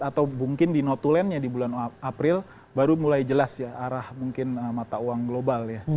atau mungkin di notulen nya di bulan april baru mulai jelas ya arah mungkin mata uang global ya